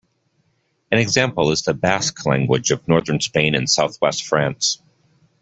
An example is the Basque language of Northern Spain and south west France.